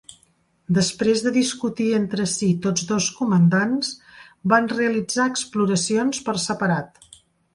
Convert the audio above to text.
Després de discutir entre si tots dos comandants, van realitzar exploracions per separat.